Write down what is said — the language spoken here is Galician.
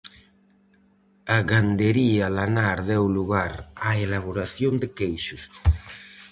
A gandería lanar deu lugar á elaboración de queixos.